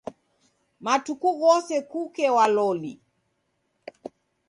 Matuku ghose kuke waloli.